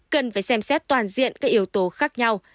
cần phải xem xét toàn diện các yếu tố khác nhau